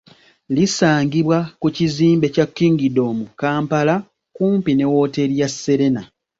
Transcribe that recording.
Lisangibwa ku kizimbe kya Kingdom Kampala okumpi ne wooteeri ya Sserena.